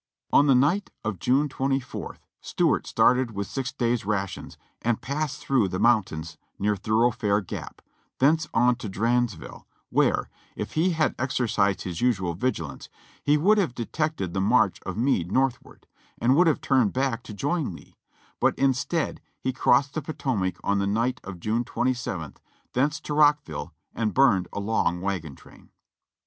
On the night of June 24th Stuart started with six days' ra tions, and passed through the mountains near Thoroughfare Gap, thence on to Dranesville, where, if he had exercised his usual vigilance, he would have detected the march of Meade northward and would have turned back to join Lee, but instead he crossed the Potomac on the night of June 27th, thence to Rockville, and burned a long wagon train.